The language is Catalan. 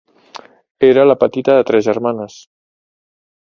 Era la petita de tres germanes.